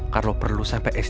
kalau perlu sampai s tiga